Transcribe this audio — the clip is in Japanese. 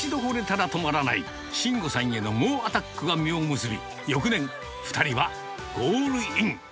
一度ほれたら止まらない、伸吾さんへの猛アタックが実を結び、翌年、２人はゴールイン。